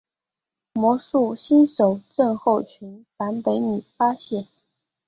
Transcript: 魔术新手症候群版本里发现。